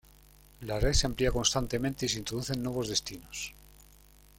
La red se amplía constantemente y se introducen nuevos destinos.